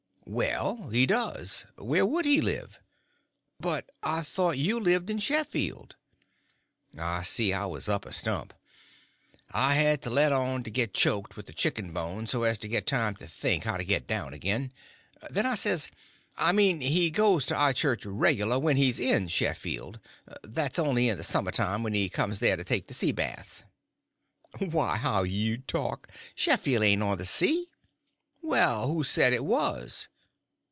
"Well, he does. Where would he live?" "But I thought you lived in Sheffield?" I see I was up a stump. I had to let on to get choked with a chicken bone, so as to get time to think how to get down again. Then I says: "I mean he goes to our church regular when he's in Sheffield. That's only in the summer time, when he comes there to take the sea baths." "Why, how you talk—Sheffield ain't on the sea." "Well, who said it was?"